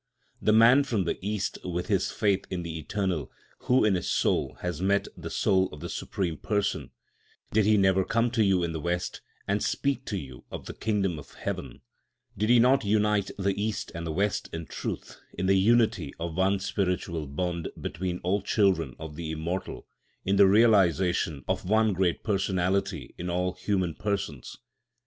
The man from the East, with his faith in the eternal, who in his soul had met the touch of the Supreme Person—did he never come to you in the West and speak to you of the Kingdom of Heaven? Did he not unite the East and the West in truth, in the unity of one spiritual bond between all children of the Immortal, in the realisation of one great Personality in all human persons?